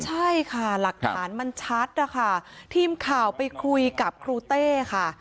ใช่ค่ะหลักฐานมันชัดนะคะทีมข่าวไปคุยกับครูเต้ค่ะ